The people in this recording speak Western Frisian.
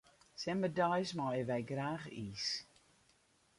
Simmerdei meie wy graach iis.